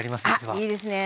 あっいいですね